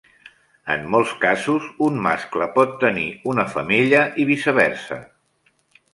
En molts casos, un mascle pot tenir una femella i viceversa.